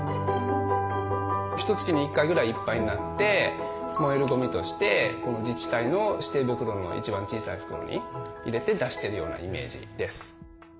ひとつきに１回くらいいっぱいになって燃えるゴミとして自治体の指定袋の一番小さい袋に入れて出してるようなイメージです。